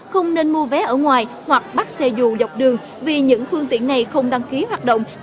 không nên mua vé ở ngoài hoặc bắt xe dù dọc đường vì những phương tiện này không đăng ký hoạt động